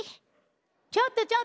ちょっとちょっと！